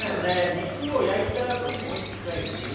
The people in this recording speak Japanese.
肉を焼いたあとにもう一回煮る。